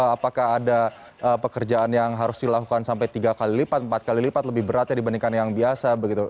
apakah ada pekerjaan yang harus dilakukan sampai tiga kali lipat empat kali lipat lebih beratnya dibandingkan yang biasa begitu